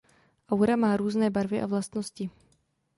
Aura má různé barvy a vlastnosti.